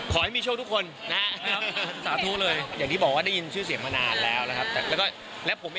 ขอให้มีโชคทุกคนนะครับสาธารณีสี่มุมออกมาทั้งเว็บเลขนี้เลยครับ